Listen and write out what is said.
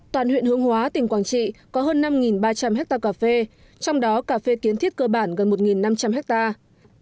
toàn huyện hương hóa tỉnh quảng trị có hơn năm ba trăm linh hectare cà phê trong đó cà phê kiến thiết cơ bản gần một năm trăm linh hectare